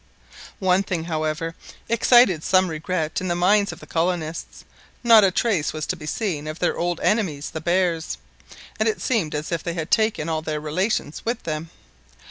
One thing, however, excited some regret in the minds of the colonists, not a trace was to be seen of their old enemies the bears; and it seemed as if they had taken all their relations with them.